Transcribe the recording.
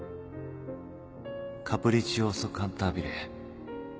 カプリチオーソ・カンタービレ。